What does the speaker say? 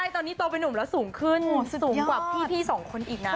ตอนนี้โตเป็นนุ่มแล้วสูงขึ้นสูงกว่าพี่สองคนอีกนะ